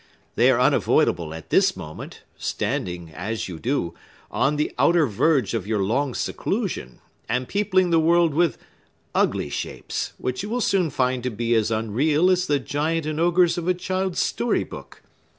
They are unavoidable at this moment, standing, as you do, on the outer verge of your long seclusion, and peopling the world with ugly shapes, which you will soon find to be as unreal as the giants and ogres of a child's story book.